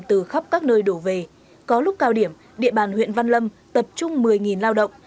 từ khắp các nơi đổ về có lúc cao điểm địa bàn huyện văn lâm tập trung một mươi lao động